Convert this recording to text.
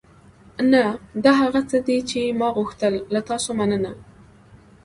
نه، دا هغه څه دي چې ما غوښتل. له تاسو مننه.